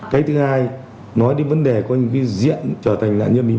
cái thứ hai nói đến vấn đề có những cái diện trở thành nạn nhân bị mua